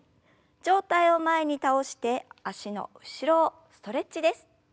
上体を前に倒して脚の後ろをストレッチです。